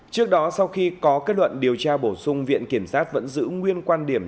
trước đó sau khi có kết luận điều tra bổ sung viện kiểm sát vẫn giữ nguyên quan điểm